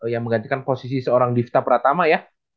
yang menggantikan posisi seorang difta pratama ya